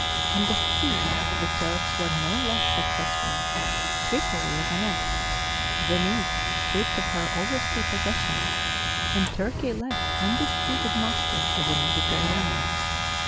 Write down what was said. On the sea the Turks were no less successful. Tripoli was annexed, Venice stripped of her oversea possessions, and Turkey left undisputed master of the Mediterranean.